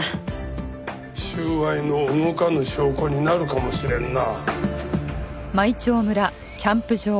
収賄の動かぬ証拠になるかもしれんな。